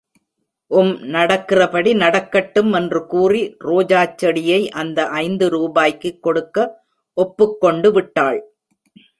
உம், நடக்கிறபடி நடக்கட்டும் என்று கூறி ரோஜாச் செடியை அந்த ஐந்து ரூபாய்க்குக் கொடுக்க ஒப்புக்கொண்டு விட்டாள்.